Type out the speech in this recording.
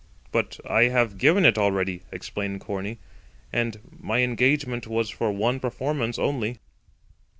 "But I have given it already," explained Corney; "and my engagement was for one performance only."